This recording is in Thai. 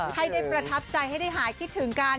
ให้ได้ประทับใจให้ได้หายคิดถึงกัน